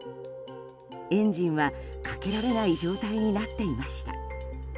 エンジンはかけられない状態になっていました。